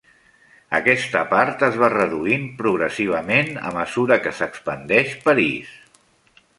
Aquesta part es va reduint progressivament a mesura que s'expandeix París.